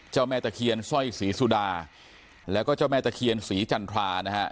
แม่ตะเคียนสร้อยศรีสุดาแล้วก็เจ้าแม่ตะเคียนศรีจันทรานะฮะ